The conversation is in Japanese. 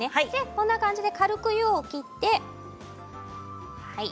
こんな感じで軽くお湯を切って。